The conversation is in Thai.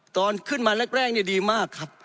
ตอนขึ้นมาแรกดีมากครับ